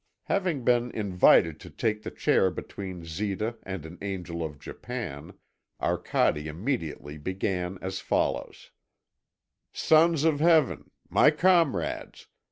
Having been invited to take the chair between Zita and an angel of Japan, Arcade immediately began as follows: "Sons of Heaven! My comrades!